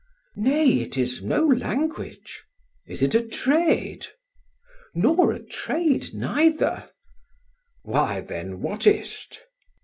"Nay, it is no language." "Is it a trade?" "Nor a trade neither." "Why, then, what is't?"